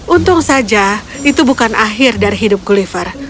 untung saja itu bukan akhir dari hidup gulliver